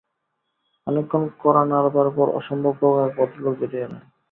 অনেকক্ষণ কড়া নাড়বার পর অসম্ভব রোগা এক ভদ্রলোক বেরিয়ে এলেন।